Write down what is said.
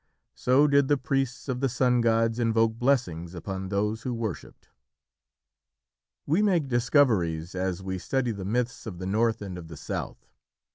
So did the priests of the sun gods invoke blessings upon those who worshipped. We make many discoveries as we study the myths of the North and of the South.